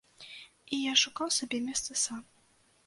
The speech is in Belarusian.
І я шукаў сабе месца сам.